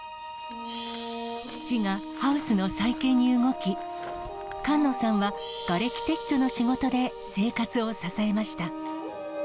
父がハウスの再建に動き、菅野さんはがれき撤去の仕事で生活を支えました。